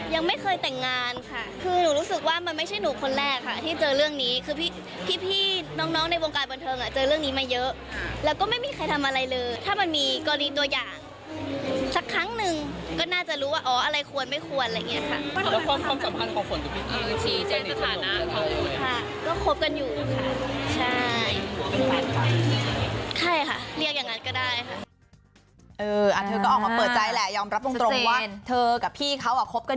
ยังไม่เคยแต่งงานค่ะคือหนูรู้สึกว่ามันไม่ใช่หนูคนแรกค่ะที่เจอเรื่องนี้คือพี่พี่น้องในวงการบรรเทิงอะเจอเรื่องนี้มาเยอะแล้วก็ไม่มีใครทำอะไรเลยถ้ามันมีตัวอย่างสักครั้งหนึ่งก็น่าจะรู้ว่าอ๋ออะไรควรไม่ควรอะไรเงี้ยค่ะ